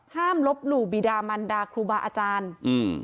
ลบหลู่บีดามันดาครูบาอาจารย์อืม